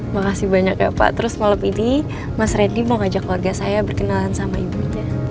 makasih banyak ya pak terus malam ini mas reddy mau ngajak keluarga saya berkenalan sama ibunya